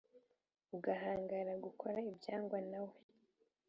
ugahangara gukora ibyangwa na we